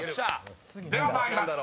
［では参ります。